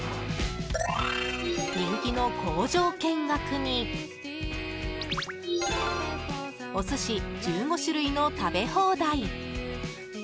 人気の工場見学にお寿司１５種類の食べ放題。